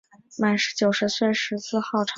满九十岁时自号长寿翁。